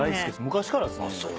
昔からですね。